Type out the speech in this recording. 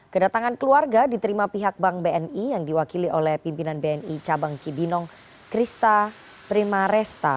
kedatangan keluarga diterima pihak bank bni yang diwakili oleh pimpinan bni cabang cibinong krista primaresta